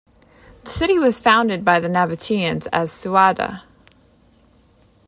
The city was founded by the Nabataeans as Suada.